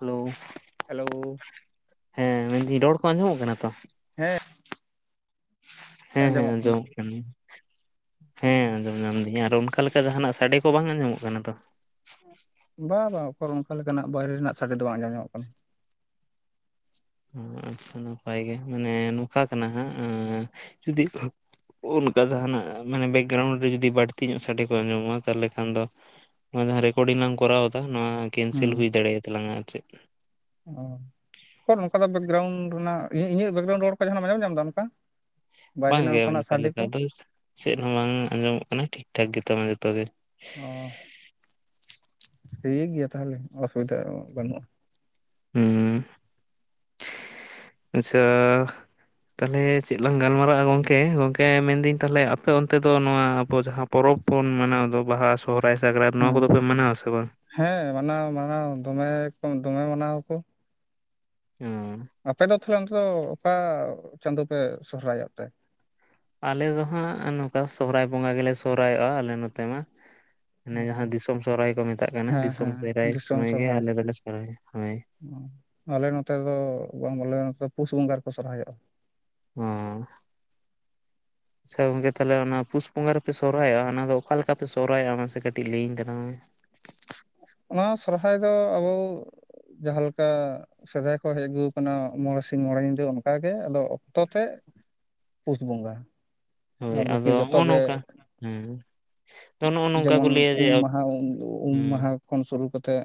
Hello. Hello. ᱦᱮᱸ ᱢᱮᱱ ᱫᱤᱧ ᱨᱚᱲ ᱠᱚ ᱟᱸᱡᱚᱢᱚᱜ ᱠᱟᱱᱟ ᱛᱚ? ᱦᱮᱸ᱾ ᱦᱮᱸ ᱦᱮᱸ ᱟᱸᱡᱚᱢᱚᱜ ᱠᱟᱱᱤᱧ, ᱦᱮᱸ ᱟᱸᱡᱚᱢ ᱧᱟᱢ ᱫᱤᱧ ᱟᱨ ᱚᱱᱠᱟ ᱞᱮᱠ ᱠᱟ ᱡᱟᱦᱟᱸ ᱱᱟᱜ ᱥᱟᱰᱮ ᱠᱚ ᱵᱟᱝ ᱟᱧᱡᱚᱢᱚᱜ ᱠᱟᱱᱟ ᱛᱚ? ᱵᱟᱝ ᱵᱟᱝ ᱚᱠᱚᱨ ᱚᱝᱠᱟ ᱞᱮᱠᱟᱱᱟᱜ ᱵᱟᱦᱨᱮ ᱨᱮᱱᱟᱜ ᱥᱟᱰᱮ ᱫᱚ ᱵᱟᱝ ᱟᱸᱡᱚᱢᱚᱜ ᱠᱟᱱᱟ᱾ ᱟᱪᱪᱷᱟ ᱱᱟᱯᱟᱭ ᱜᱮ ᱢᱟᱱᱮ ᱱᱚᱝᱠᱟ ᱠᱟᱱᱟ ᱦᱟᱸᱜ ᱡᱩᱫᱤ ᱚᱱᱠᱟ ᱡᱟᱦᱟᱱᱟᱜ ᱢᱟᱱᱮ ᱵᱮᱠᱜᱨᱟᱣᱩᱱᱰ ᱨᱮ ᱡᱩᱫᱤ ᱵᱟᱹᱲᱛᱤ ᱧᱚᱜ ᱥᱟᱰᱮ ᱠᱚ ᱟᱡᱚᱢᱚᱜᱼᱟ ᱛᱟᱦᱚᱞᱮ ᱠᱷᱟᱱ ᱫᱚ ᱚᱱᱟ ᱡᱟᱦᱟᱸ ᱨᱮᱠᱚᱨᱰᱤᱝ ᱞᱟᱝ ᱠᱚᱨᱟᱣᱮᱫᱟ ᱱᱚᱣᱟ ᱠᱮᱱᱥᱮᱞ ᱦᱩᱸ ᱦᱩᱭ ᱫᱟᱲᱮᱭᱟ ᱛᱟᱞᱟᱝᱟ ᱟᱨ ᱪᱮᱫ [unintelligible] ᱱᱚᱝᱠᱟᱱᱟᱜ ᱵᱮᱠᱜᱨᱟᱣᱩᱱᱰ ᱨᱮᱱᱟᱜ ᱤᱧᱟᱹᱜ ᱵᱮᱠᱜᱨᱟᱣᱩᱱᱰ ᱨᱚᱲ ᱠᱚ ᱡᱟᱦᱟᱸᱱᱟᱜ ᱟᱧᱡᱚᱢ ᱧᱟᱢ ᱮᱫᱟ ᱚᱱᱠᱟ? ᱵᱟᱦᱨᱮ ᱨᱮᱱᱟᱜ ᱵᱟᱝᱜᱮ ᱚᱝᱠᱟᱱᱟᱜ ᱚᱱᱠᱟ ᱥᱟᱰᱮ ᱞᱮᱠᱟ ᱠᱚ ᱫᱚ ᱪᱮᱫ ᱦᱚᱸ ᱵᱟᱝ ᱟᱸᱡᱚᱢᱚᱜ ᱠᱟᱱᱟ ᱴᱷᱤᱠ ᱴᱷᱟᱠ ᱜᱮᱛᱟᱢᱟ ᱡᱚᱛᱚ ᱜᱮ᱾ ᱚ ᱴᱷᱤᱠ ᱜᱮᱭᱟ ᱛᱟᱦᱚᱞᱮ ᱚᱥᱩᱵᱤᱫᱷᱟ ᱵᱟᱹᱱᱩᱜᱼᱟ᱾ ᱦᱩᱸ ᱟᱪᱪᱷᱟ ᱛᱟᱦᱚᱞᱮ ᱪᱮᱜ ᱞᱟᱝ ᱜᱟᱞᱢᱟᱨᱟᱜ-ᱟ ᱜᱚᱝᱠᱮ, ᱜᱚᱝᱠᱮ ᱢᱮᱱ ᱫᱟᱹᱧ ᱛᱟᱦᱚᱞᱮ ᱟᱯᱮ ᱚᱱᱛᱮ ᱫᱚ ᱱᱚᱣᱟ ᱟᱵᱚ ᱡᱟᱦᱟᱸ ᱯᱚᱨᱚᱵᱽ ᱯᱩᱱ ᱢᱟᱱᱟᱣ ᱫᱚ ᱵᱟᱦᱟ ᱥᱚᱦᱨᱟᱭ ᱥᱟᱠᱨᱟᱛ ᱱᱚᱣᱟ ᱦᱮᱸ ᱠᱚᱫᱚ ᱯᱮ ᱢᱟᱱᱟᱣᱟ ᱥᱮ ᱵᱟᱝ? ᱦᱮᱸ ᱢᱟᱱᱟᱣ ᱢᱟᱱᱟᱣ ᱫᱚᱢᱮ ᱠᱚ ᱫᱚᱢᱮ ᱢᱟᱱᱟᱣᱟ ᱠᱚ᱾ ᱚᱸ ᱟᱯᱮ ᱫᱚ ᱛᱟᱦᱞᱮ ᱟᱱᱛᱮ ᱫᱚ ᱚᱠᱟ ᱪᱟᱸᱫᱳ ᱯᱮ ᱥᱚᱦᱨᱟᱭᱚᱜ ᱛᱮ? ᱟᱞᱮ ᱫᱚ ᱦᱟᱸᱜ ᱱᱚᱝᱠᱟ ᱥᱚᱦᱨᱟᱭ ᱵᱚᱸᱜᱟ ᱜᱮᱞᱮ ᱥᱚᱦᱨᱟᱭᱚᱜᱼᱟ ᱟᱞᱮ ᱱᱚᱛᱮ ᱢᱟ᱾ ᱦᱟᱱᱮ ᱡᱟᱦᱟᱸ ᱫᱤᱥᱚᱢ ᱥᱚᱨᱦᱟᱭ ᱠᱚ ᱢᱮᱛᱟᱜ ᱠᱟᱱᱟ ᱦᱮᱸ ᱫᱤᱥᱚᱢ ᱦᱮᱸ ᱥᱚᱨᱦᱟᱭ ᱫᱤᱥᱚᱢ ᱥᱚᱢᱚᱭ ᱜᱮ ᱥᱚᱨᱦᱟᱭ ᱟᱞᱮ ᱫᱚᱞᱮ ᱥᱚᱨᱦᱟᱭᱟ᱾ ᱦᱳᱭ, ᱟᱞᱮ ᱱᱚᱛᱮ ᱫᱚ ᱵᱟᱝ ᱵᱚᱞᱮ ᱯᱩᱥ ᱵᱚᱸᱜᱟ ᱨᱮᱠᱚ ᱥᱚᱨᱦᱟᱭᱚᱜᱼᱟ᱾ [unintelligible] [inaudible] ᱟᱪᱪᱷᱟ ᱜᱚᱝᱠᱮ ᱛᱟᱦᱚᱞᱮ ᱚᱱᱟ ᱯᱩᱥ ᱵᱚᱸᱜᱟ ᱨᱮᱯᱮ ᱥᱚᱦᱨᱟᱭᱚᱜᱼᱟ ᱚᱱᱟᱫᱚ ᱚᱠᱟ ᱞᱮᱠᱟ ᱯᱮ ᱥᱚᱨᱦᱟᱭᱚᱜᱼᱟ ᱢᱟᱥᱮ ᱠᱟᱹᱴᱤᱡ ᱞᱟᱹᱭᱟᱹᱧ ᱛᱟᱞᱟᱝ ᱢᱮ᱾ ᱱᱚᱣᱟ ᱥᱚᱨᱦᱟᱭ ᱫᱚ ᱟᱵᱚ ᱡᱟᱦᱟᱸᱞᱮᱠᱟ ᱥᱮᱫᱟᱭ ᱠᱷᱚᱡ ᱦᱮᱡ ᱟᱹᱜᱩ ᱟᱠᱟᱱᱟ ᱢᱚᱬᱮ ᱥᱤᱧ ᱢᱚᱬᱮ ᱧᱤᱫᱟᱹ ᱚᱝᱠᱟ ᱜᱮ, ᱟᱫᱚ ᱚᱠᱛᱚ ᱛᱮ ᱯᱩᱥ ᱵᱚᱸᱜᱟ, ᱦᱳᱭ ᱵᱟᱫᱽ ᱟᱫᱚ ᱵᱟᱠᱤ ᱱᱚᱜᱼᱚ ᱡᱚᱛᱚᱜᱮ ᱱᱚᱝᱠᱟ ᱦᱮᱸ ᱛᱚ ᱱᱚᱜᱼᱚ ᱱᱚᱝᱠᱟ ᱠᱚ ᱡᱮᱢᱚᱱ ᱞᱟᱹᱭᱟ ᱡᱮ ᱩᱢ ᱢᱟᱦᱟ ᱩᱢ ᱦᱩᱸ ᱢᱟᱦᱟ ᱠᱷᱚᱱ ᱥᱩᱨᱩ ᱠᱟᱛᱮᱜ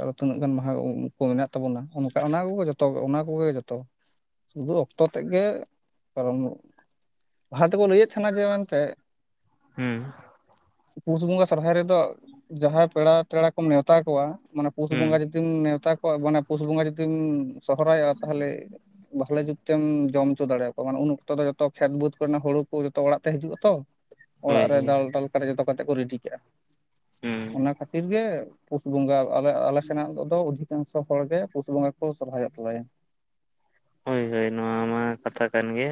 ᱟᱨᱚ ᱛᱤᱱᱟᱹᱜ ᱜᱟᱱ ᱢᱟᱦᱟ ᱠᱚ ᱢᱮᱱᱟᱜ ᱛᱟᱵᱚᱱᱟ ᱚᱱᱠᱟ ᱚᱱᱟ ᱠᱚᱜᱮ ᱡᱚᱛᱚ ᱚᱱᱟ ᱠᱚᱜᱮ ᱡᱚᱛᱚ ᱥᱩᱫᱩ ᱚᱠᱛᱚ ᱛᱮᱫ ᱜᱮ ᱠᱟᱨᱚᱱ ᱞᱟᱦᱟ ᱛᱮᱠᱚ ᱞᱟᱹᱭᱮᱫ ᱛᱟᱦᱮᱸᱱᱟ ᱡᱮ ᱢᱮᱱᱛᱮ ᱦᱮᱸ ᱯᱩᱥ ᱵᱚᱸᱜᱟ ᱥᱚᱨᱦᱟᱭ ᱨᱮᱫᱚ ᱡᱟᱦᱟᱸᱭ ᱯᱮᱲᱟ ᱯᱮᱲᱟ ᱠᱚᱢ ᱱᱮᱣᱛᱟ ᱠᱚᱣᱟ ᱢᱟᱱᱮ ᱯᱩᱥ ᱦᱩᱸ ᱵᱚᱸᱜᱟ ᱡᱩᱫᱤ ᱡᱩᱫᱤᱢ ᱱᱮᱣᱛᱟ ᱠᱚᱣᱟ ᱢᱟᱱᱮ ᱯᱩᱥ ᱵᱚᱸᱜᱟ ᱡᱩᱫᱤᱢ ᱥᱚᱦᱨᱟᱭᱚᱜᱼᱟ ᱛᱟᱦᱚᱞᱮ ᱵᱷᱟᱞᱮ ᱡᱩᱛ ᱛᱮᱢ ᱡᱚᱢ ᱦᱚᱪᱚ ᱫᱟᱲᱮᱭᱟ ᱠᱚᱣᱟ᱾ ᱢᱟᱱᱮ ᱩᱱ ᱚᱠᱛᱚ ᱫᱚ ᱡᱚᱛᱚ ᱠᱷᱮᱛ ᱵᱟᱹᱫᱽ ᱠᱚᱨᱮᱱᱟᱜ ᱦᱩᱲᱩ ᱠᱚ ᱡᱚᱛᱚ ᱚᱲᱟᱜ ᱛᱮ ᱦᱤᱡᱩᱜᱼᱟ ᱛᱚ, ᱦᱳᱭ ᱚᱲᱟᱜ ᱨᱮ ᱦᱳᱭ ᱫᱟᱞ ᱫᱟᱹᱞ ᱡᱚᱛᱚ ᱠᱟᱛᱮ ᱠᱚ ᱨᱮᱰᱤ ᱠᱟᱜᱼᱟ᱾ ᱦᱩᱸ ᱚᱱᱟ ᱠᱷᱟᱹᱛᱤᱨ ᱜᱮ ᱯᱩᱥ ᱵᱚᱸᱜᱟ᱾ ᱟᱞᱮ ᱟᱞᱮ ᱥᱮᱱᱟᱜ ᱫᱚ ᱚᱫᱷᱤᱠᱟᱝᱥᱚ ᱦᱚᱲ ᱜᱮ ᱯᱩᱥ ᱵᱚᱸᱜᱟ ᱠᱚ ᱥᱚᱦᱨᱟᱭᱚᱜ ᱛᱟᱞᱮᱭᱟ᱾ ᱦᱳᱭ ᱦᱳᱭ ᱱᱚᱣᱟ ᱢᱟ ᱠᱟᱛᱷᱟ ᱠᱟᱱ ᱜᱮ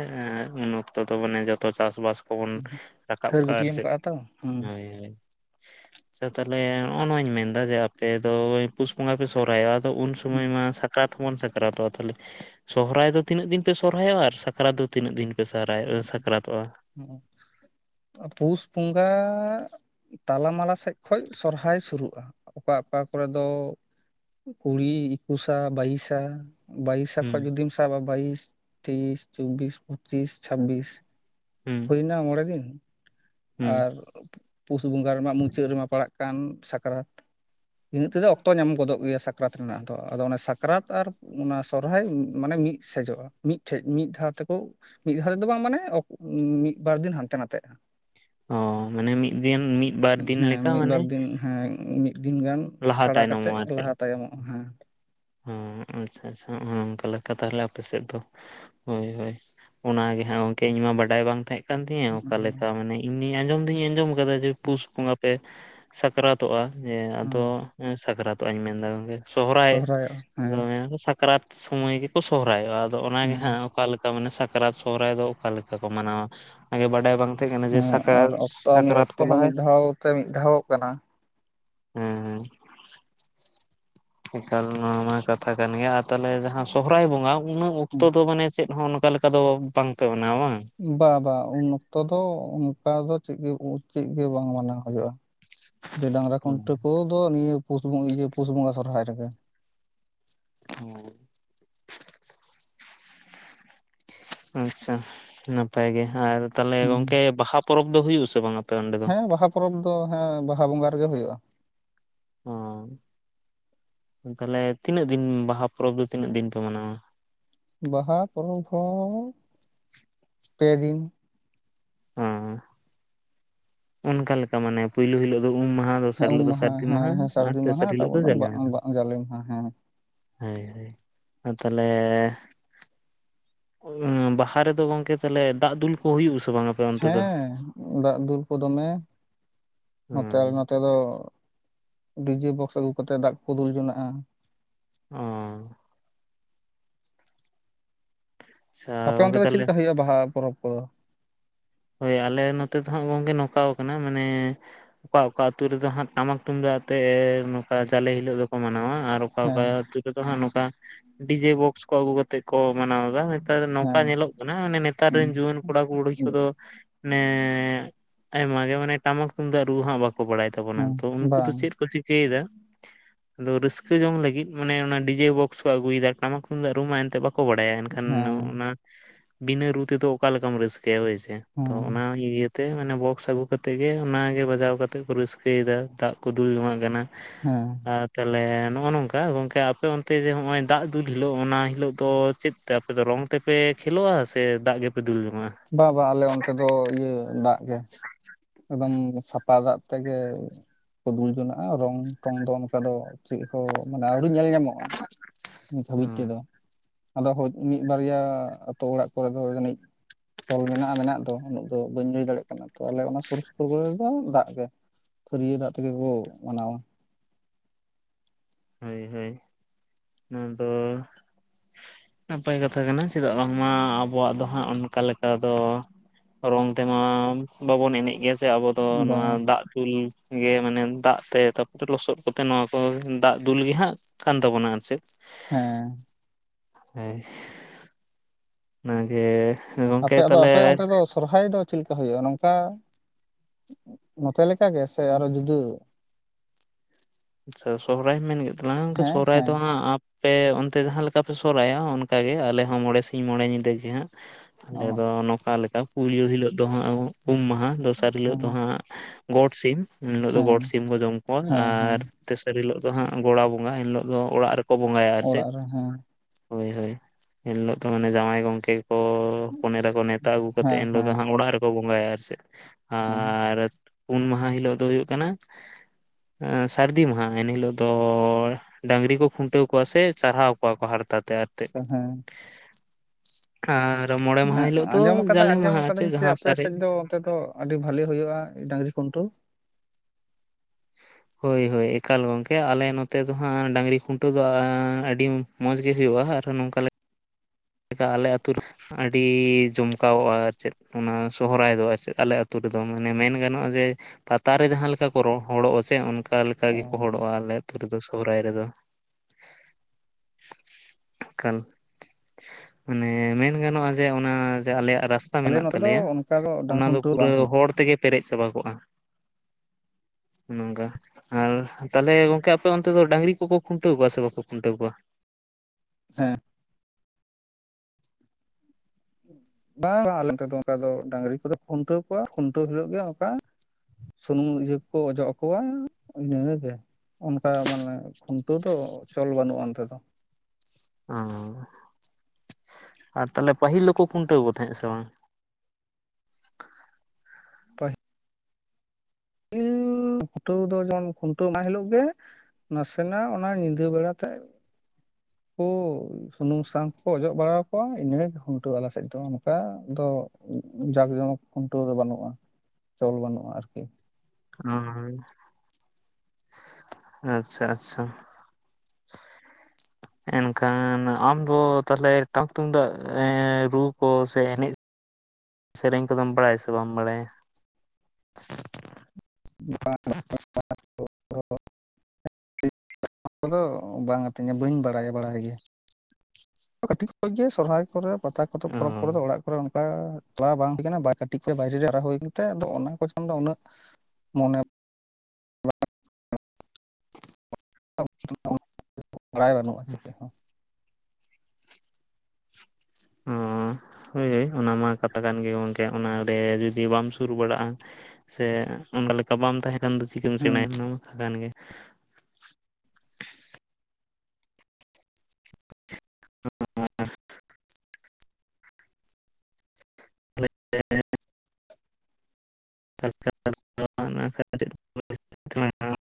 ᱩᱱ ᱚᱠᱛᱚ ᱫᱚ ᱢᱟᱱᱮ ᱡᱚᱛᱚ ᱪᱟᱥ ᱵᱟᱥ ᱠᱚ ᱠᱚᱵᱚᱱ ᱨᱟᱠᱟᱵ ᱦᱟᱹᱨ ᱠᱟᱜᱼᱟ ᱟᱨ ᱜᱩᱴᱭᱟᱹᱢ ᱪᱮᱫ ᱛᱚ ᱦᱩᱸ ᱦᱳᱭ ᱦᱳᱭ ᱟᱪᱪᱷᱟ ᱛᱟᱦᱚᱞᱮ ᱱᱚᱜᱼᱚ ᱱᱚᱣᱟᱧ ᱢᱮᱱᱫᱟ ᱡᱮ ᱟᱯᱮ ᱫᱚ ᱯᱩᱥ ᱵᱚᱸᱜᱟ ᱯᱮ ᱥᱚᱦᱨᱟᱭᱚᱜᱼᱟ ᱟᱫᱚ ᱩᱱ ᱦᱩᱸ ᱥᱚᱢᱚᱭ ᱢᱟ ᱥᱟᱠᱨᱟᱛ ᱦᱚᱸᱵᱚᱱ ᱥᱟᱠᱨᱟᱛᱚᱜᱼᱟ ᱛᱟᱦᱚᱞᱮ ᱥᱚᱦᱚᱨᱟᱭ ᱫᱚ ᱛᱤᱱᱟᱹᱜ ᱫᱤᱱ ᱯᱮ ᱥᱚᱨᱦᱟᱭᱚᱜᱼᱟ ᱟᱨ ᱥᱟᱠᱨᱟᱛ ᱫᱚ ᱛᱤᱱᱟᱹᱜ ᱫᱤᱱ ᱯᱮ ᱥᱚᱨᱦᱟᱭ ᱥᱟᱠᱨᱟᱛᱚᱜᱼᱟ ᱯᱩᱥ ᱵᱚᱸᱜᱟ ᱛᱟᱞᱟ ᱢᱟᱞᱟ ᱥᱮᱫ ᱠᱷᱚᱡ ᱥᱚᱦᱨᱟᱭ ᱥᱩᱨᱩᱜᱼᱟ ᱚᱠᱟ ᱚᱠᱟ ᱠᱚᱨᱮ ᱫᱚ ᱠᱩᱲᱤ ᱮᱠᱩᱥᱟ ᱵᱟᱭᱤᱥᱟ ᱵᱟᱭᱤᱥᱟ ᱦᱩᱸ ᱠᱷᱚᱡ ᱡᱩᱫᱤᱢ ᱥᱟᱵᱟ ᱵᱟᱭᱤᱥ ᱛᱮᱭᱤᱥ ᱪᱚᱵᱵᱤᱥ ᱯᱚᱸᱪᱤᱥ ᱪᱷᱟᱵᱵᱤᱥ ᱦᱩᱸ ᱦᱩᱭᱱᱟ ᱢᱚᱬᱮ ᱫᱤᱱ ᱦᱩᱸ ᱟᱨ ᱯᱩᱥ ᱵᱚᱸᱜᱟ ᱨᱮᱢᱟ ᱢᱩᱪᱟᱹᱫ ᱨᱮᱢᱟ ᱯᱟᱲᱟᱜ ᱠᱟᱱ ᱥᱟᱠᱨᱟᱛ ᱤᱱᱟᱹᱜ ᱛᱮᱫᱚ ᱚᱛᱚ ᱧᱟᱢ ᱜᱚᱫᱚᱜ ᱜᱮᱭᱟ ᱥᱟ ᱥᱟᱠᱨᱟᱛ ᱨᱮᱱᱟᱜ ᱟᱫᱚ ᱚᱱᱟ ᱥᱟᱠᱨᱟᱛ ᱟᱨ ᱚᱱᱟ ᱥᱚᱨᱦᱟᱭ ᱢᱟᱱᱮ ᱢᱤᱫ ᱥᱮᱫ ᱡᱚᱜᱼᱟ ᱢᱤᱫᱴᱷᱮᱱ ᱢᱤᱫ ᱫᱷᱟᱣ ᱛᱮᱠᱚ ᱢᱤᱫ ᱫᱷᱟᱣ ᱛᱮᱫᱚ ᱵᱟᱝ ᱢᱟᱱᱮ ᱢᱤᱫᱵᱟᱨ ᱫᱤᱱ ᱦᱟᱱᱛᱮ ᱱᱟᱛᱮᱼᱟ ᱚ ᱢᱟᱱᱮ ᱢᱤᱫ ᱫᱤᱱ ᱢᱤᱫ ᱵᱟᱨ ᱫᱤᱱ ᱦᱮᱸ ᱞᱮᱠᱟ ᱢᱤᱫ ᱢᱟᱱᱮ ᱵᱟᱨ ᱫᱤᱱ ᱦᱮᱸ ᱢᱤᱫ ᱫᱤᱱ ᱜᱟᱱ ᱞᱟᱦᱟ ᱪᱷᱟᱲᱟ ᱠᱟᱛᱮᱜ ᱞᱟᱦᱟ ᱛᱟᱭᱚᱢᱚᱜᱼᱟ ᱦᱮᱸ ᱚᱸ ᱟᱪᱪᱷᱟ ᱟᱪᱪᱷᱟ ᱱᱚᱜ ᱱᱚᱝᱠᱟ ᱞᱮᱠᱟ ᱛᱟᱦᱚᱞᱮ ᱟᱯᱮ ᱥᱮᱫ ᱫᱚ ᱦᱳᱭ ᱦᱳᱭ ᱚᱱᱟᱜᱮ ᱦᱟᱸᱜ ᱜᱚᱢᱠᱮ ᱤᱧ ᱢᱟ ᱵᱟᱰᱟᱭ ᱵᱟᱝ ᱛᱟᱦᱮᱸ ᱠᱟᱱ ᱛᱤᱧᱟᱹ ᱚᱠᱟ ᱞᱮᱠᱟ ᱢᱟᱱᱮ ᱤᱧᱤᱧ ᱟᱸᱡᱚᱢ ᱫᱩᱧ ᱟᱸᱡᱚᱢ ᱟᱠᱟᱫᱟ ᱡᱮ ᱯᱩᱥ ᱵᱚᱸᱜᱟ ᱯᱮ ᱥᱟᱠᱨᱟᱛ ᱛᱚᱜᱼᱟ ᱡᱮ ᱟᱫᱚ ᱦᱮᱸ ᱥᱟᱠᱨᱟᱛᱚᱜ ᱤᱧ ᱢᱮᱱᱫᱟ ᱜᱚᱢᱠᱮ ᱥᱚᱦᱚᱨᱟᱭ ᱥᱚᱦᱨᱟᱭᱚᱜᱼᱟ ᱦᱮᱸ ᱥᱟᱠᱨᱟᱛ ᱥᱚᱢᱚᱭ ᱜᱮᱠᱚ ᱥᱚᱦᱨᱟᱭᱚᱜᱼᱟ ᱟᱫᱚ ᱚᱱᱟᱜᱮ ᱦᱮᱸ ᱦᱟᱸᱜ ᱚᱠᱟ ᱞᱮᱠᱟ ᱢᱟᱱᱮ ᱥᱟᱠᱨᱟᱛ ᱥᱚᱦᱨᱟᱭ ᱫᱚ ᱚᱠᱟ ᱞᱮᱠᱟ ᱠᱚ ᱢᱟᱱᱟᱣᱟ ᱚᱱᱟᱜᱮ ᱵᱟᱰᱟᱭ ᱵᱟᱝ [inaudible] ᱦᱮᱸ ᱟᱨ ᱥᱟᱠᱟᱨᱛ ᱚᱠᱛᱚ ᱢᱤᱫ ᱥᱟᱠᱟᱨᱛ ᱚᱠᱛᱚ [inaudible] ᱦᱚᱸ ᱢᱤᱫ ᱫᱷᱟᱣ ᱛᱮ ᱢᱤᱫ ᱫᱷᱟᱣᱚᱜ ᱠᱟᱱᱟ ᱦᱮᱸ ᱦᱮᱸ ᱮᱠᱟᱞ ᱱᱚᱣᱟ ᱢᱟ ᱠᱟᱛᱷᱟ ᱠᱟᱱ ᱜᱮᱭᱟ ᱟᱨ ᱛᱟᱦᱚᱞᱮ ᱡᱟᱦᱟᱸ ᱥᱚᱦᱨᱟᱭ ᱵᱚᱸᱜᱟ ᱩᱱᱟᱹᱜ ᱚᱠᱛᱚ ᱫᱚ ᱢᱟᱱᱮ ᱪᱮᱫ ᱦᱚᱸ ᱚᱱᱠᱟ ᱚᱠᱟᱫᱚ ᱵᱟᱝᱯᱮ ᱢᱟᱱᱟᱣᱟ ᱵᱟᱝ ᱵᱟ ᱵᱟ ᱩᱱ ᱚᱠᱛᱚ ᱫᱚ ᱚᱱᱠᱟ ᱫᱚ ᱪᱮᱫ ᱪᱮᱫᱜᱮ ᱵᱟᱝ ᱢᱟᱱᱟᱣ ᱦᱩᱭᱩᱜᱼᱟ ᱡᱮ ᱰᱟᱝᱨᱟ ᱠᱷᱩᱱᱴᱟᱹᱣ ᱠᱚᱫᱚ ᱱᱤᱭᱟᱹ ᱯᱩᱥ ᱵᱚᱸᱜᱟ ᱤᱭᱟᱹ ᱯᱩᱥ ᱵᱚᱸᱜᱟ ᱥᱚᱨᱦᱟᱭ ᱨᱮᱜᱮ [unintelligible] ᱟᱪᱪᱷᱟ ᱱᱟᱯᱟᱭ ᱜᱮ ᱟᱨ ᱛᱟᱦᱞᱮ ᱦᱮᱸ ᱜᱚᱝᱠᱮ ᱵᱟᱦᱟ ᱯᱚᱨᱚᱵᱽ ᱫᱚ ᱦᱩᱭᱩᱜ ᱟᱥᱮ ᱵᱟᱝ ᱟᱯᱮ ᱚᱸᱰᱮ ᱫᱚ ᱦᱮᱸ ᱵᱟᱦᱟ ᱯᱚᱨᱚᱵᱽ ᱫᱚ ᱦᱮᱸ ᱵᱟᱦᱟ ᱵᱚᱸᱜᱟ ᱨᱮᱜᱮ ᱦᱩᱭᱩᱜᱼᱟ ᱚ ᱛᱟᱦᱚᱞᱮ ᱛᱤᱱᱟᱹᱜ ᱫᱤᱱ ᱵᱟᱦᱟ ᱯᱚᱨᱚᱵᱽ ᱫᱚ ᱛᱤᱱᱟᱹᱜ ᱫᱤᱱ ᱯᱮ ᱢᱟᱱᱟᱣᱟ ᱵᱟᱦᱟ ᱯᱚᱨᱚᱵᱽ ᱦᱚᱸ ᱯᱮ ᱫᱤᱱ ᱚ ᱚᱱᱠᱟ ᱞᱮᱠᱟ ᱢᱟᱱᱮ ᱯᱩᱭᱞᱩ ᱦᱤᱞᱳᱜ ᱫᱚ ᱩᱢ ᱢᱟᱦᱟ ᱫᱚᱥᱟᱨ ᱦᱮᱸ ᱩᱢ ᱦᱤᱞᱳᱜ ᱫᱚ ᱥᱟᱨᱫᱤ ᱢᱟᱦᱟ ᱟᱨ ᱛᱮᱥᱟᱨ ᱦᱤᱞᱳᱜ ᱫᱚ ᱡᱟᱞᱮ ᱢᱟᱦᱟ ᱡᱟᱞᱤ ᱢᱟᱦᱟ ᱦᱮᱸ ᱦᱮᱸ ᱦᱟᱹᱭ ᱦᱟᱹᱭ ᱟ ᱛᱟᱦᱞᱮ ᱵᱟᱦᱟ ᱨᱮᱫᱚ ᱜᱚᱝᱠᱮ ᱛᱟᱦᱞᱮ ᱫᱟᱜ ᱫᱩᱞ ᱠᱚ ᱦᱩᱭᱩᱜ ᱟᱥᱮ ᱵᱟᱝᱟ ᱦᱮᱸ ᱫᱟᱜ ᱫᱩᱞ ᱠᱚ ᱫᱚᱢᱮ ᱱᱚᱛᱮ ᱟᱞᱮ ᱦᱮᱸ ᱱᱚᱛ ᱱᱚᱛᱮ ᱫᱚ ᱰᱤᱡᱮ ᱵᱚᱠᱥ ᱟᱹᱜᱩ ᱠᱟᱛᱮᱫ ᱫᱟᱜ ᱠᱚ ᱫᱩᱞ ᱡᱚᱱᱟᱜᱼᱟ ᱚᱸᱻ ᱟᱪᱪᱷᱟ ᱟᱯᱮ ᱚᱱᱛᱮ ᱜᱚᱝᱠᱮ ᱫᱚ ᱪᱮᱫ ᱛᱟᱦᱚᱞᱮ ᱞᱮᱠᱟ ᱦᱩᱭᱩᱜᱼᱟ ᱵᱟᱦᱟ ᱯᱚᱨᱚᱵᱽ ᱠᱚᱫᱚ ᱦᱳᱭ ᱟᱞᱮ ᱱᱚᱛᱮ ᱫᱚ ᱦᱟᱸᱜ ᱜᱚᱝᱠᱮ ᱱᱚᱝᱠᱟ ᱠᱟᱱᱟ ᱢᱟᱱᱮ ᱚᱠᱟ ᱚᱠᱟ ᱟᱹᱛᱩ ᱨᱮᱫᱚ ᱦᱟᱸᱜ ᱴᱟᱢᱟᱠ ᱛᱩᱢᱫᱟᱜ ᱟᱛᱮ ᱱᱚᱠᱟ ᱡᱟᱞᱮ ᱦᱤᱞᱳᱜ ᱫᱚᱠᱚ ᱢᱟᱱᱟᱣᱟ ᱟᱨ ᱚᱠᱟ ᱚᱠᱟ ᱦᱮᱸ ᱟᱛᱩ ᱛᱮᱫᱚ ᱦᱟᱸᱜ ᱱᱚᱠᱟ ᱰᱤᱡᱮ ᱵᱚᱠᱥ ᱠᱚ ᱟᱹᱜᱩ ᱠᱟᱛᱮᱜ ᱠᱚ ᱢᱟᱱᱟᱣᱮ ᱫᱟ ᱱᱮᱛᱟᱨ ᱱᱚᱠᱟ ᱦᱮᱸ ᱧᱮᱞᱚᱜ ᱠᱟᱱᱟ ᱢᱟᱱᱮ ᱱᱮᱛᱟᱨ ᱦᱮᱸ ᱨᱮᱱ ᱡᱩᱣᱟᱹᱱ ᱠᱚᱲᱟ ᱠᱩᱲᱤ ᱠᱚᱫᱚ ᱱᱮ ᱟᱭᱢᱟ ᱜᱮ ᱢᱟᱱᱮ ᱴᱟᱢᱟᱠ ᱛᱩᱢᱫᱟᱜ ᱨᱩ ᱦᱟᱸᱜ ᱵᱟᱠᱚ ᱵᱟᱲᱟᱭ ᱛᱟᱵᱚᱱᱟ ᱦᱮᱸ ᱛᱚ ᱩᱱᱠᱩ ᱫᱚ ᱵᱟᱝ ᱪᱮᱫ ᱠᱚ ᱪᱤᱠᱟᱹᱭᱮᱫᱟ ᱟᱫᱚ ᱨᱟᱹᱥᱠᱟᱹ ᱡᱚᱝ ᱞᱟᱹᱜᱤᱫ ᱢᱟᱱᱮ ᱚᱱᱟ ᱰᱤᱡᱮ ᱵᱚᱠᱥ ᱠᱚ ᱟᱹᱜᱩᱭᱮᱫᱟ ᱴᱟᱢᱟᱠ ᱛᱩᱢᱫᱟᱜ ᱨᱩ ᱢᱟ ᱮᱱᱛᱮ ᱵᱟ ᱠᱚ ᱵᱟᱲᱟᱭᱟ ᱮᱱᱠᱷᱟᱱ ᱦᱮᱸ ᱚᱱᱟ ᱵᱤᱱᱟᱹ ᱨᱩ ᱛᱮᱫᱚ ᱚᱠᱟ ᱞᱮᱠᱟᱢ ᱨᱟᱹᱥᱠᱟᱹᱭᱟ ᱦᱳᱭ ᱥᱮ ᱛᱚ ᱦᱮᱸ ᱚᱱᱟ ᱦᱩᱭᱩᱜ ᱤᱭᱟᱹ ᱛᱮ ᱢᱟᱱᱮ ᱵᱚᱠᱥ ᱟᱹᱜᱩ ᱠᱟᱛᱮᱫ ᱜᱮ ᱚᱱᱟᱜᱮ ᱵᱟᱡᱟᱣ ᱠᱟᱛᱮᱫ ᱠᱚ ᱨᱟᱹᱥᱠᱟᱹᱭᱮᱫᱟ ᱫᱟᱜ ᱠᱚ ᱫᱩᱞ ᱡᱚᱝᱟᱜ ᱠᱟᱱᱟ ᱦᱮᱸ ᱟᱨ ᱛᱟᱦᱚᱞᱮ ᱱᱚᱜᱼᱚ ᱱᱚᱝᱠᱟ ᱜᱚᱝᱠᱮ ᱟᱯᱮ ᱚᱱᱛᱮ ᱡᱮ ᱦᱚᱸᱜᱼᱚᱭ ᱫᱟᱜ ᱫᱩᱞ ᱦᱤᱞᱳᱜ ᱚᱱᱟ ᱦᱤᱞᱳᱜ ᱫᱚ ᱪᱮᱫ ᱛᱮ ᱟᱯᱮᱫᱚ ᱨᱚᱝ ᱛᱮ ᱯᱮ ᱠᱷᱮᱞᱳᱜᱼᱟ ᱥᱮ ᱫᱟᱜ ᱜᱮᱯᱮ ᱫᱩᱞ ᱡᱚᱝ-ᱟ ᱵᱟ ᱵᱟ ᱟᱞᱮ ᱚᱱᱛᱮ ᱫᱚ ᱤᱭᱟᱹ ᱫᱟᱜ ᱜᱮ ᱮᱠᱫᱚᱢ ᱥᱟᱯᱟ ᱫᱟᱜ ᱛᱮᱜᱮ ᱠᱚ ᱫᱩᱞ ᱡᱚᱱᱟᱜᱼᱟ ᱨᱚᱝ ᱴᱚᱝ ᱫᱚ ᱚᱱᱠᱟ ᱫᱚ ᱪᱤᱫ ᱦᱚ ᱢᱟᱱᱮ ᱟᱹᱣᱨᱤ ᱧᱮᱞ ᱧᱟᱢᱚᱜᱼᱟ᱾ ᱱᱤᱛ ᱦᱟᱹᱵᱤᱡ ᱛᱮᱫᱚ ᱟᱫᱚ ᱦᱳᱭ ᱢᱤᱫ ᱵᱟᱨᱭᱟ ᱟᱹᱛᱩ ᱚᱲᱟᱜ ᱠᱚᱨᱮ ᱫᱚ ᱡᱟᱹᱱᱤᱡ ᱪᱚᱞ ᱢᱮᱱᱟᱜᱼᱟ ᱢᱮᱱᱟᱜ ᱫᱚ ᱩᱱᱟᱹᱜ ᱫᱚ ᱵᱟᱹᱧ ᱞᱟᱹᱭ ᱫᱟᱲᱮᱭᱟᱜ ᱠᱟᱱᱟ ᱛᱚ ᱟᱞᱮ ᱚᱱᱟ ᱥᱩᱨ ᱥᱩᱯᱩᱨ ᱠᱚᱨᱮ ᱫᱚ ᱫᱟᱜ ᱜᱮ ᱯᱷᱟᱹᱨᱭᱟᱹ ᱫᱟᱜ ᱛᱮᱜᱮ ᱠᱚ ᱢᱟᱱᱟᱣᱟ᱾ ᱦᱳᱭ ᱦᱳᱭ ᱚᱱᱟᱫᱚ ᱱᱟᱯᱟᱭ ᱠᱟᱛᱷᱟ ᱠᱟᱱᱟ ᱪᱮᱫᱟᱜ ᱵᱟᱝᱢᱟ ᱟᱵᱚᱣᱟᱜ ᱫᱚ ᱦᱟᱸᱜ ᱚᱱᱠᱟ ᱞᱮᱠᱟ ᱫᱚ ᱨᱚᱝ ᱛᱮᱢᱟ ᱵᱟᱵᱚᱱ ᱮᱱᱮᱡ ᱜᱮᱭᱟ ᱥᱮ ᱟᱵᱚ ᱫᱚ ᱱᱚᱣᱟ ᱵᱟᱝ ᱫᱟᱜ ᱫᱩᱞ ᱜᱮ ᱢᱟᱱᱮ ᱫᱟᱜ ᱛᱮ ᱛᱟᱯᱚᱨᱮ ᱞᱚᱥᱚᱫ ᱠᱚᱛᱮ ᱱᱚᱣᱟ ᱠᱚ ᱫᱟᱜ ᱫᱩᱞᱜᱮ ᱦᱟᱸᱜ ᱠᱟᱱ ᱛᱟᱵᱚᱱᱟ ᱥᱮ ᱦᱮᱸ ᱦᱮᱸ ᱚᱱᱟᱜᱮ ᱜᱚᱝᱠᱮ ᱟᱯᱮᱭᱟᱜ ᱫᱚ ᱟᱯᱮ ᱛᱟᱦᱚᱞᱮ ᱚᱱᱛᱮ ᱫᱚ ᱥᱚᱨᱦᱟᱭ ᱫᱚ ᱪᱮᱫ ᱞᱮᱠᱟ ᱦᱩᱭᱩᱜᱼᱟ ᱱᱚᱝᱠᱟ ᱱᱚᱛᱮ ᱞᱮᱠᱟ ᱜᱮ ᱥᱮ ᱟᱨᱦᱚᱸ ᱡᱩᱫᱟᱹ ᱟᱪᱪᱷᱟ ᱥᱚᱦᱚᱨᱟᱭᱮᱢ ᱢᱮᱱ ᱠᱮᱫ ᱛᱟᱞᱟᱝᱟ ᱦᱮᱸ ᱥᱚᱦᱨᱟᱭ ᱫᱚ ᱦᱮᱸ ᱦᱟᱸᱜ ᱯᱮ ᱚᱱᱛᱮ ᱡᱟᱦᱟᱸ ᱞᱮᱠᱟ ᱯᱮ ᱥᱚᱨᱚᱦᱨᱟᱭᱟ ᱚᱱᱠᱟᱟᱜᱮ ᱟᱞᱮ ᱦᱚᱸ ᱢᱚᱬᱮ ᱥᱤᱧ ᱢᱚᱬᱮ ᱧᱤᱫᱟᱹ ᱜᱮ ᱦᱟᱸᱜ ᱚ ᱟᱞᱮ ᱫᱚ ᱱᱚᱝᱠᱟ ᱞᱮᱠᱟ ᱯᱩᱭᱞᱩ ᱦᱤᱞᱳᱜ ᱫᱚ ᱦᱟᱸᱜ ᱩᱢ ᱢᱟᱦᱟ ᱫᱚᱥᱟᱨ ᱦᱤᱞᱳᱜ ᱦᱮᱸ ᱫᱚ ᱦᱟᱸᱜ ᱜᱚᱴ ᱥᱤᱢ ᱩᱱ ᱦᱤᱞᱳᱜ ᱫᱚ ᱦᱮᱸ ᱜᱚᱴ ᱥᱤᱢ ᱠᱚ ᱡᱚᱢ ᱠᱚᱣᱟ᱾ ᱦᱮᱸ ᱦᱮᱸ ᱟᱨ ᱛᱮᱥᱟᱨ ᱦᱤᱞᱳᱜ ᱫᱚ ᱦᱟᱸᱜ ᱜᱚᱲᱟ ᱵᱚᱸᱜᱟ ᱮᱱ ᱦᱤᱞᱳᱜ ᱫᱚ ᱚᱲᱟᱜ ᱨᱮᱠᱚ ᱵᱚᱸᱜᱟᱭᱟ ᱟᱨ ᱥᱮ ᱚᱲᱟᱜ ᱨᱮ ᱦᱮᱸ ᱦᱳᱭ ᱦᱳᱭ ᱮᱱᱦᱤᱞᱳᱜ ᱫᱚ ᱢᱟᱱᱮ ᱡᱟᱶᱟᱭ ᱜᱚᱝᱠᱮ ᱜᱮᱠᱚ ᱦᱚᱯᱚᱱᱮᱨᱟ ᱠᱚ ᱱᱮᱣᱛᱟ ᱟᱹᱜᱩ ᱠᱟᱛᱮᱫ ᱦᱮᱸ ᱮᱱᱤᱞᱳᱜ ᱫᱚ ᱦᱮᱸ ᱦᱟᱸᱜ ᱜᱚᱰᱟ ᱨᱮᱠᱚ ᱵᱚᱸᱜᱟᱭᱟ ᱥᱮ ᱦᱮᱸ ᱟᱨ ᱯᱩᱱ ᱢᱟᱦᱟ ᱦᱤᱞᱳᱜ ᱫᱚ ᱦᱩᱭᱩᱜ ᱠᱟᱱᱟ᱾ ᱥᱟᱹᱨᱫᱤ ᱢᱟᱦᱟ ᱮᱱᱦᱤᱞᱳᱜ ᱫᱚ ᱰᱟᱹᱝᱨᱤ ᱠᱚ ᱠᱷᱩᱱᱴᱟᱹᱣ ᱠᱚᱣᱟ ᱥᱮ ᱪᱟᱨᱦᱟᱣ ᱠᱚᱣᱟ ᱠᱚ ᱦᱟᱨᱛᱟᱛᱮ ᱟᱨ ᱛᱮᱫ ᱦᱮᱸ ᱟᱨ ᱨᱚᱢᱚ ᱟᱸᱡᱚᱢ ᱟᱠᱟᱫᱟ ᱟᱸᱡᱚᱢ ᱠᱟᱹᱫᱟᱹᱧ ᱥᱮ ᱟᱯᱮ ᱥᱟᱨᱮᱡ ᱥᱮᱫ ᱫᱚ ᱛᱮ ᱫᱚ ᱟᱹᱰᱤ ᱵᱷᱟᱞᱞᱤ ᱦᱩᱭᱩᱜᱼᱟ ᱰᱟᱝᱨᱤ ᱠᱩᱱᱴᱟᱣ ᱦᱳᱭ ᱦᱳᱭ ᱮᱠᱟᱞ ᱜᱚᱝᱠᱮ ᱟᱞᱮ ᱱᱚᱛᱮ ᱫᱚ ᱦᱟᱸᱜ ᱰᱟᱝᱨᱤ ᱠᱷᱩᱱᱴᱟᱹᱣ ᱫᱚ ᱟᱹᱰᱤ ᱢᱚᱸᱡᱽ ᱜᱮ ᱦᱩᱭᱩᱜᱼᱟ ᱟᱨ ᱱᱚᱝᱠᱟ ᱪᱮᱠᱟ ᱟᱞᱮ ᱟᱹᱛᱩ ᱨᱮ ᱟᱹᱰᱤ ᱡᱚᱢᱠᱟᱣᱚᱜᱼᱟ ᱟᱨ ᱪᱮᱫ ᱚᱱᱟ ᱥᱚᱦᱨᱟᱭ ᱫᱚ ᱟᱨ ᱪᱮᱫ ᱟᱞᱮ [unintelligible] ᱟᱹᱛ ᱛᱩ ᱨᱮᱫᱚ ᱢᱟᱱᱮ ᱢᱮᱱ ᱜᱟᱱᱚᱜᱼᱟ ᱡᱮ ᱯᱟᱛᱟ ᱨᱮ ᱡᱟᱦᱟᱸ ᱞᱮᱠᱟ ᱠᱚ ᱨᱚᱦᱚᱲᱚᱜᱼᱟ ᱥᱮ ᱚᱱᱠᱟ ᱚᱠᱟ ᱞᱮᱠᱟ ᱚ ᱜᱮᱠᱚ ᱦᱚᱲᱚᱜᱼᱟ ᱟᱞᱮ ᱟᱛ ᱨᱮᱫᱚ ᱥᱚᱦᱨᱟᱭ ᱨᱮᱫᱚ ᱮᱠᱟᱞ ᱢᱟᱱᱮ ᱢᱮᱱ ᱜᱟᱱᱚᱜᱼᱟ ᱡᱮ ᱚᱱᱟ ᱟᱞᱮᱭᱟᱜ ᱨᱟᱥᱛᱟ ᱟᱞᱮ ᱢᱮᱱᱟᱜ ᱱᱚᱛᱮ ᱫᱚ ᱛᱟᱞᱮᱭᱟ ᱚᱱᱠᱟ ᱰᱟᱝ ᱚᱱᱟ ᱫᱚ ᱠᱷᱩᱱᱴᱟᱹᱣ ᱯᱩᱨᱟᱹ ᱵᱟᱝ ᱦᱩᱭᱩᱜᱼᱟ ᱦᱚᱲ ᱛᱮᱜᱮ ᱯᱮᱨᱮᱡ ᱪᱟᱵᱟ ᱠᱚᱜᱼᱟ᱾ ᱟᱨ ᱚᱱᱚᱝᱠᱟ ᱟᱨ ᱛᱟᱦᱞᱮ ᱜᱚᱝᱠᱮ ᱟᱯᱮ ᱚᱱᱛᱮ ᱫᱚ ᱰᱟᱹᱝᱨᱤ ᱠᱚᱠᱚ ᱠᱷᱩᱱᱴᱟᱹᱣ ᱠᱚᱣᱟ ᱥᱮ ᱵᱟᱠᱚ ᱠᱷᱩᱱᱴᱟᱹᱣ ᱠᱚᱣᱟ᱾ ᱦᱮᱸ ᱵᱟᱝ ᱵᱟᱝ ᱟᱞᱮᱱᱚᱛᱮ ᱫᱚ ᱚᱱᱠᱟ ᱫᱚ ᱰᱟᱹᱝᱨᱤ ᱠᱚᱫᱚ ᱠᱷᱩᱱᱴᱟᱹᱣ ᱠᱚᱣᱟ ᱠᱷᱩᱱᱴᱟᱹᱣ ᱦᱤᱞᱳᱜ ᱜᱮ ᱚᱱᱠᱟ ᱥᱩᱱᱩᱢ ᱮᱭᱟᱹ ᱠᱚᱠᱚ ᱚᱡᱚᱜ ᱟᱠᱚᱣᱟ ᱤᱱᱟᱹᱜᱮ ᱚᱱᱠᱟ ᱢᱟᱱᱮ ᱠᱷᱩᱱᱴᱟᱹᱣ ᱫᱚ ᱪᱚᱞ ᱵᱟᱹᱱᱩᱜᱼᱟ ᱚᱱᱛᱮ ᱫᱚ ᱚ ᱟᱨ ᱛᱟᱦᱞᱮ ᱯᱟᱹᱦᱤᱞ ᱫᱚᱠᱚ ᱠᱷᱩᱱᱴᱟᱹᱣ ᱠᱚ ᱛᱟᱦᱮᱸᱫ ᱥᱮ ᱵᱟᱝ ᱯᱟᱦᱤ ᱤᱞ ᱠᱷᱩᱱᱴᱟᱹᱣ ᱫᱚ ᱡᱮᱢᱚᱱ ᱠᱷᱩᱱᱴᱟᱹᱣ ᱚᱱᱟ ᱦᱤᱞᱳᱜ ᱜᱮ ᱱᱟᱥᱮᱱᱟᱜ ᱚᱱᱟ ᱧᱤᱫᱟᱹ ᱵᱮᱲᱟᱛᱮ ᱠᱚ ᱥᱩᱱᱩᱢ ᱥᱟᱥᱟᱝ ᱠᱚᱠᱚ ᱚᱡᱚᱜ ᱵᱟᱲᱟ ᱠᱚᱣᱟ ᱤᱱᱟᱹ ᱜᱮ ᱠᱷᱩᱱᱴᱟᱹᱣ ᱟᱞᱟ ᱥᱮᱫ ᱫᱚ ᱚᱱᱠᱟ ᱫᱚ ᱡᱟᱠ ᱡᱚᱢᱚᱠ ᱠᱷᱩᱱᱴᱟᱹᱣ ᱫᱚ ᱵᱟᱹᱱᱩᱜᱼᱟ ᱪᱚᱞ ᱵᱟᱹᱱᱩᱜᱼᱟ ᱟᱨᱠᱤ ᱾ ᱚ ᱟᱪᱪᱷᱟ, ᱟᱪᱪᱷᱟ ᱾ [inaudible] ᱮᱱᱠᱷᱟᱱ ᱟᱢ ᱫᱚ ᱛᱟᱦᱚᱞᱮ ᱴᱟᱢᱟᱠ ᱛᱩᱢᱫᱟᱜ ᱨᱩ ᱠᱚ ᱥᱮ ᱮᱱᱮᱡ ᱥᱮᱨᱮᱧ ᱠᱚᱫᱚᱢ ᱵᱟᱲᱟᱭᱟ ᱥᱮ ᱵᱟᱢ ᱵᱟᱲᱟᱭᱟ? [unintelligible] ᱚᱱᱟ ᱠᱚᱫᱚ ᱵᱟᱝ ᱟᱹᱛᱤᱧᱟ ᱵᱟᱹᱧ ᱵᱟᱲᱟᱭᱟ ᱵᱟᱲᱟᱭ ᱜᱮ ᱾ ᱠᱟᱹᱴᱤᱡ ᱠᱷᱚᱡᱽ ᱜᱮ ᱥᱚᱨᱦᱟᱭ ᱠᱚᱨᱮ ᱯᱟᱛᱟ ᱠᱚᱫᱚ ᱚ ᱯᱚᱨᱚᱵᱽ ᱠᱚᱨᱮ ᱫᱚ ᱚᱲᱟᱜ ᱚᱱᱠᱟ ᱪᱟᱞᱟ ᱵᱟᱝ ᱦᱩᱭ ᱟᱠᱟᱱᱟ ᱠᱟᱹᱴᱤᱡ ᱠᱷᱚᱡᱽ ᱵᱟᱭᱨᱮ ᱦᱟᱨᱟ ᱦᱩᱭ ᱠᱟᱱᱛᱮ ᱚᱱᱟᱠᱚ ᱪᱮᱛᱟᱱ ᱫᱚ ᱩᱱᱟᱹᱜ ᱢᱚᱱᱮ ᱾ [unintelligible] ᱵᱟᱲᱟᱭ ᱵᱟᱹᱱᱩᱜᱼᱟ ᱪᱮᱜ ᱦᱮᱸ ᱾ ᱦᱚᱸ ᱦᱮᱸ ᱦᱳᱭ ᱚᱱᱟ ᱢᱟ ᱠᱟᱛᱷᱟ ᱠᱟᱱᱜᱮ ᱜᱚᱝᱠᱮ ᱚᱱᱟᱨᱮ ᱡᱩᱫᱤ ᱵᱟᱢ ᱥᱩᱨ ᱵᱟᱲᱟᱜᱼᱟ ᱾ ᱥᱮ ᱚᱱᱟ ᱞᱮᱠᱟ ᱵᱟᱢ ᱛᱟᱦᱮᱸ ᱠᱷᱟᱱ ᱫᱚ ᱪᱤᱠᱟᱹᱢ ᱦᱩᱸ ᱥᱮᱬᱟᱭᱟ ᱚᱱᱟ ᱢᱟᱱ ᱠᱷᱟᱱ ᱜᱮ ᱟᱨ [unintelligible] [unintelligible] [unintelligible] [unintelligible]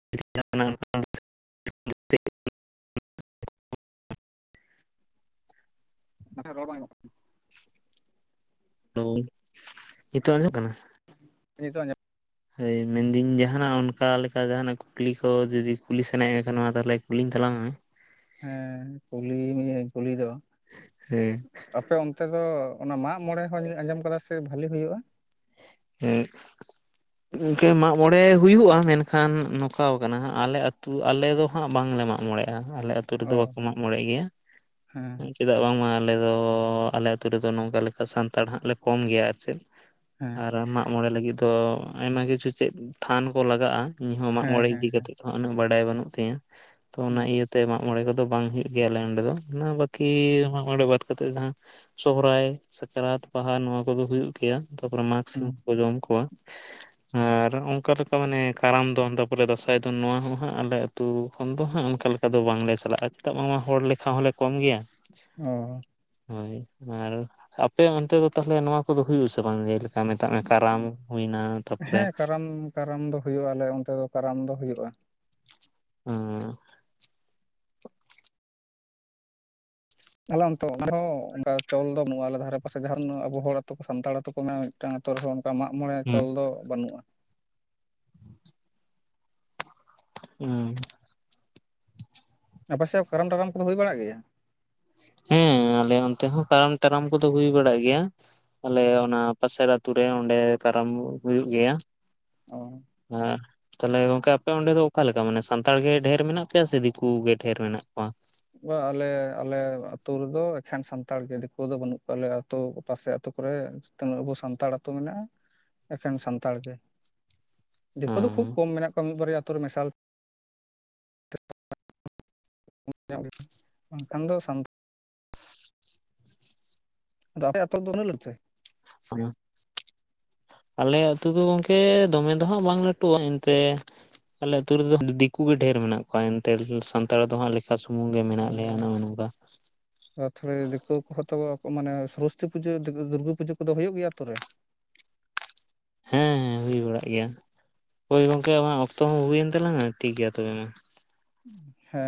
ᱱᱟᱥᱮ ᱱᱟᱜ ᱨᱚᱲ ᱵᱟᱝ ᱟᱸᱡᱚᱢᱚᱜ ᱦᱮᱞᱮᱣ ᱱᱤᱛᱚᱜ ᱟᱸᱡᱚᱢ ᱠᱟᱱᱟ? ᱱᱤᱛᱚᱜ ᱟᱸᱡᱚᱢ ᱦᱳᱭ ᱢᱮᱱᱫᱟᱹᱧ ᱡᱟᱦᱟᱱᱟᱜ ᱚᱱᱠᱟ ᱞᱮᱠᱟ ᱡᱟᱦᱟᱱᱟᱜ ᱠᱩᱠᱞᱤ ᱠᱚ ᱡᱩᱫᱤ ᱠᱩᱞᱤ ᱥᱟᱱᱟᱭᱮᱫ ᱢᱮᱠᱷᱟᱱ ᱱᱚᱣᱟ ᱛᱟᱦᱚᱞᱮ ᱠᱩᱞᱤᱧ ᱛᱟᱞᱟᱝ ᱢᱮ ᱦᱮᱸ ᱠᱩᱞᱤ ᱢᱮᱭᱟᱹᱧ ᱠᱩᱞᱤ ᱫᱚ ᱦᱮᱸ ᱾ ᱟᱯᱮ ᱚᱱᱛᱮ ᱫᱚ ᱚᱱᱟ ᱢᱟᱜᱢᱚᱬᱮ ᱦᱚᱸ ᱟᱸᱡᱚᱢ ᱟᱠᱟᱫᱟ ᱥᱮ ᱵᱷᱟᱞᱮ ᱦᱩᱭᱩᱜᱼᱟ? ᱦᱮᱸ ᱾ [inaudible] ᱤᱱᱠᱟᱹ ᱢᱟᱜᱢᱚᱬᱮ ᱦᱩᱭᱩᱜᱼᱟ ᱢᱮᱱᱠᱷᱟᱱ ᱱᱚᱝᱠᱟ ᱠᱟᱱᱟ ᱟᱞᱮ ᱟᱹᱛᱩ ᱟᱞᱮ ᱫᱚ ᱦᱟᱸᱜ ᱵᱟᱝᱞᱮ ᱢᱟᱜᱢᱚᱬᱮᱜᱼᱟ ᱟᱞᱮ ᱟᱹᱛᱩ ᱨᱮᱫᱚ ᱚ ᱵᱟᱠᱚ ᱢᱟᱜᱢᱚᱬᱮ ᱜᱮᱭᱟ ᱦᱮᱸ ᱾ ᱪᱮᱫᱟᱜ ᱵᱟᱝᱢᱟ ᱟᱞᱮᱫᱚ ᱟᱞᱮ ᱟᱹᱛᱩ ᱨᱮᱫᱚ ᱱᱚᱝᱠᱟ ᱞᱮᱠᱟ ᱥᱟᱱᱛᱟᱲ ᱦᱟᱸᱜ ᱞᱮ ᱠᱚᱢ ᱜᱮᱭᱟ ᱾ ᱦᱮᱸ ᱟᱨ ᱢᱟᱜᱢᱚᱬᱮ ᱞᱟᱹᱜᱤᱫ ᱫᱚ ᱟᱭᱢᱟ ᱠᱤᱪᱷᱩ ᱪᱮᱫ ᱛᱷᱟᱱ ᱠᱚ ᱞᱟᱜᱟᱜᱼᱟ ᱤᱧ ᱦᱚᱸ ᱦᱮᱸ ᱢᱟᱜᱢᱚᱬᱮ ᱦᱮᱸ ᱤᱫᱤ ᱦᱮᱸ ᱠᱟᱛᱮᱜ ᱩᱱᱟᱹᱜ ᱵᱟᱰᱟᱭ ᱵᱟᱹᱱᱩᱜ ᱛᱤᱧᱟᱹ ᱛᱚ ᱚᱱᱟ ᱦᱮᱸ ᱤᱭᱟᱹ ᱾ ᱛᱮ ᱢᱟᱜᱢᱚᱬᱮ ᱠᱚᱫᱚ ᱵᱟᱝ ᱦᱩᱭᱩᱜ ᱜᱮᱭᱟ ᱟᱞᱮ ᱚᱸᱰᱮ ᱫᱚ ᱵᱟᱹᱠᱤ ᱢᱟᱜᱢᱚᱬᱮ ᱵᱟᱫ ᱠᱟᱛᱮ ᱡᱟᱦᱟᱸ ᱥᱚᱦᱚᱨᱟᱭ ᱥᱟᱠᱨᱟᱛ, ᱵᱟᱦᱟ, ᱱᱚᱣᱟ ᱠᱚᱫᱚ ᱦᱩᱭᱩᱜ ᱜᱮᱭᱟ ᱛᱟᱯᱚᱨᱮ ᱢᱟᱜᱽ ᱦᱮᱸ ᱥᱤᱢ ᱠᱚ ᱠᱚ ᱡᱚᱢ ᱠᱚᱣᱟ ᱾ [inaudible] ᱟᱨ ᱚᱱᱠᱟ ᱞᱮᱠᱟ ᱢᱟᱱᱮ ᱠᱟᱨᱟᱢ ᱫᱚᱱ ᱛᱟᱨᱯᱚᱨᱮ ᱫᱚᱸᱥᱟᱭ ᱫᱚᱱ ᱱᱚᱣᱟ ᱦᱚᱸ ᱦᱟᱸᱜ ᱟᱞᱮ ᱟᱹᱛᱩ ᱠᱷᱚᱱ ᱫᱚ ᱦᱟᱸᱜ ᱚᱱᱠᱟ ᱞᱮᱠᱟ ᱫᱚ ᱵᱟᱝᱞᱮ ᱪᱟᱞᱟᱜᱼᱟ ᱪᱮᱫᱟᱜ ᱵᱟᱝᱢᱟ ᱦᱚᱲ ᱞᱮᱠᱷᱟ ᱦᱚᱸᱞᱮ ᱠᱚᱢ ᱜᱮᱭᱟ ᱾ ᱚ ᱾ ᱦᱚᱭ ᱟᱨ ᱟᱯᱮ ᱚᱱᱛᱮ ᱫᱚ ᱛᱟᱦᱚᱞᱮ ᱱᱚᱣᱟ ᱠᱚᱫᱚ ᱦᱩᱭᱩᱜ ᱟᱥᱮ ᱵᱟᱝ ᱜᱮ? ᱟ ᱢᱮᱛᱟᱜ ᱢᱮ ᱠᱟᱨᱟᱢ ᱦᱩᱭᱱᱟ ᱾ ᱛᱟᱯᱚᱨᱮ ᱦᱮᱸ ᱠᱟᱨᱟᱢ ᱠᱟᱨᱟᱢ ᱫᱚ ᱦᱩᱭᱩᱜᱼᱟ ᱟᱞᱮ ᱚᱱᱛᱮ ᱫᱚ ᱠᱟᱨᱟᱢ ᱫᱚ ᱦᱩᱭᱩᱜᱼᱟ ᱾ ᱦᱟᱸ ᱾ ᱟᱞᱮ ᱚᱱᱛᱮ ᱫᱚ ᱚᱱᱠᱟ ᱪᱚᱞ ᱫᱚ ᱵᱟᱹᱱᱩᱜᱼᱟ ᱟᱞᱮ ᱫᱷᱟᱨᱮ ᱯᱟᱥᱮ ᱡᱟᱦᱟᱱ ᱟᱵᱚ ᱦᱚᱲ ᱟᱛᱳ ᱥᱟᱱᱛᱟᱲ ᱟᱛᱳ ᱠᱚ ᱢᱮᱱᱟᱜᱼᱟ ᱢᱤᱫᱴᱟᱝ ᱟᱛᱳ ᱨᱮ ᱦᱚᱸ ᱢᱟᱜᱢᱚᱬᱮ ᱪᱚᱞ ᱫᱚ ᱵᱟᱹᱱᱩᱜᱼᱟ ᱾ ᱩᱸ ᱾ ᱟᱯᱮ ᱥᱮᱫ ᱠᱟᱨᱟᱢ ᱴᱟᱨᱟᱢ ᱠᱚ ᱫᱚ ᱦᱩᱭ ᱵᱟᱲᱟᱜ ᱜᱮᱭᱟ? ᱦᱮᱸ ᱟᱞᱮ ᱚᱱᱛᱮ ᱦᱚᱸ ᱠᱟᱨᱟᱢ ᱴᱟᱨᱟᱢ ᱠᱚ ᱫᱚ ᱦᱩᱭ ᱵᱟᱲᱟᱜ ᱜᱮᱭᱟ ᱾ ᱟᱞᱮ ᱚᱱᱟ ᱯᱟᱥᱮᱨ ᱟᱛᱳ ᱨᱮ ᱚᱸᱰᱮ ᱠᱟᱨᱟᱢ ᱦᱩᱭᱩᱜ ᱜᱮᱭᱟ ᱾ ᱚᱸ ᱾ ᱦᱟᱸ ᱾ ᱛᱟᱦᱞᱮ ᱜᱚᱝᱠᱮ ᱟᱯᱮ ᱚᱸᱰᱮ ᱫᱚ ᱚᱠᱟ ᱞᱮᱠᱟ ᱢᱟᱱᱮ ᱥᱟᱱᱛᱟᱲ ᱜᱮ ᱰᱷᱮᱨ ᱢᱮᱱᱟᱜ ᱯᱮᱭᱟ ᱥᱮ ᱫᱤᱠᱩ ᱜᱮ ᱰᱷᱮᱨ ᱢᱮᱱᱟᱜ ᱠᱚᱣᱟ? ᱵᱟ ᱟᱞᱮ ᱟᱞᱮ ᱟᱹᱛᱩ ᱨᱮᱫᱚ ᱮᱠᱷᱮᱱ ᱥᱟᱱᱛᱟᱲ ᱜᱮ ᱫᱤᱠᱩ ᱫᱚ ᱵᱟᱹᱱᱩᱜ ᱠᱚᱣᱟ ᱟᱞᱮ ᱛᱚ ᱯᱟᱥᱮ ᱟᱹᱛᱩ ᱠᱚᱨᱮ ᱛᱤᱱᱟᱹᱜ ᱟᱵᱚ ᱥᱟᱱᱛᱟᱲ ᱟᱹᱛᱩ ᱢᱮᱱᱟᱜᱼᱟ ᱾ ᱮᱠᱷᱮᱱ ᱥᱟᱱᱛᱟᱲ ᱜᱮ ᱫᱤᱠᱩ ᱫᱚ ᱠᱷᱩᱵ ᱠᱚᱢ ᱢᱮᱱᱟᱜ ᱠᱚᱣᱟ ᱢᱤᱫ ᱵᱟᱨᱮᱭᱟ ᱟᱹᱛᱩ ᱨᱮ ᱢᱮᱥᱟᱞ ᱚᱱᱠᱟᱱ [unintelligible] ᱫᱚ ᱥᱟᱱᱛᱟᱲ ᱟᱫᱚ ᱟᱯᱮ ᱟᱹᱛᱩ ᱫᱚ ᱦᱚᱸ ᱟᱞᱮ ᱟᱹᱛᱩ ᱫᱚ ᱜᱚᱝᱠᱮ ᱫᱚᱢᱮ ᱫᱚ ᱦᱟᱸᱜ ᱵᱟᱝ ᱞᱟᱹᱴᱩᱜᱼᱟ ᱮᱱᱛᱮ ᱟᱞᱮ ᱟᱹᱛᱩ ᱨᱮᱫᱚ ᱫᱤᱠᱩ ᱜᱮ ᱰᱷᱮᱨ ᱢᱮᱱᱟᱜ ᱠᱚᱣᱟ ᱮᱱᱛᱮ ᱥᱟᱱᱛᱟᱲ ᱫᱚ ᱦᱟᱸᱜ ᱞᱮᱠᱷᱟ ᱥᱤᱛ ᱥᱩᱢᱩᱝ ᱜᱮ ᱢᱮᱱᱟᱜ ᱞᱮᱭᱟ ᱱᱚᱜᱼᱚ ᱱᱚᱝᱠᱟ ᱨᱟᱛᱷ ᱨᱮ ᱫᱤᱠᱩ ᱠᱚᱦᱚᱸ ᱛᱚ ᱢᱟᱱᱮ ᱥᱚᱨᱚᱥᱚᱛᱤ ᱯᱩᱡᱟᱹ ᱫᱩᱨᱜᱟᱹ ᱯᱩᱡᱟᱹ ᱠᱚᱫᱚ ᱦᱩᱭᱩᱜ ᱜᱮᱭᱟ ᱟᱹᱛᱩ ᱨᱮ ᱦᱮᱸ ᱦᱮᱸ ᱦᱩᱭ ᱵᱟᱲᱟᱜ ᱜᱮᱭᱟ ᱦᱳᱭ ᱜᱚᱝᱠᱮ ᱟᱢᱟᱜ ᱚᱠᱛᱚ ᱦᱚᱸ ᱦᱩᱭᱮᱱ ᱛᱟᱞᱟᱝᱟ ᱴᱷᱤᱠ ᱜᱮᱭᱟ ᱛᱚᱵᱮ ᱢᱟ ᱦᱮᱸ